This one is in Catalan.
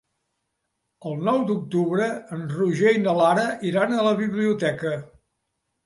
El nou d'octubre en Roger i na Lara iran a la biblioteca.